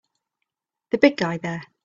The big guy there!